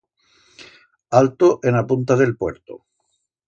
Alto en a punta d'el Puerto.